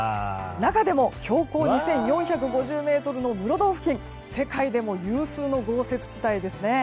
中でも標高２４５０ｍの室堂付近世界でも有数の豪雪地帯ですね。